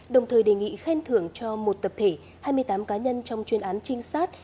đồng thời đề nghị khen thưởng cho một tập thể hai mươi tám cá nhân trong chuyên án trinh sát